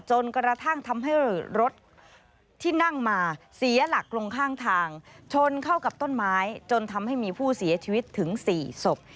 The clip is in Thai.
จนกระทั่งทำให้รถที่นั่งมาเสียหลักลงข้างทางชนเข้ากับต้นไม้จนทำให้มีผู้เสียชีวิตถึง๔ศพ